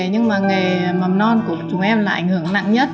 nhưng mà nghề mầm non của chúng em là ảnh hưởng nặng nhất